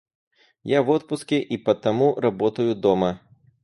Я в отпуске и потому работаю дома.